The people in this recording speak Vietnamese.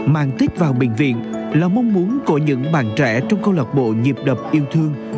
mang tết vào bệnh viện là mong muốn của những bạn trẻ trong câu lạc bộ nhịp đập yêu thương